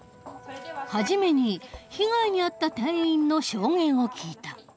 初めに被害に遭った店員の証言を聞いた。